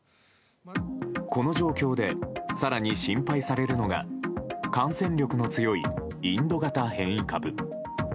この状況で更に心配されるのが感染力の強いインド型変異株。